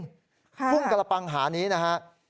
ทุ่งกระปังหานี้นะฮะ